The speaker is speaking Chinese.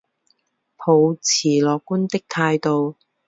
抱持乐观的态度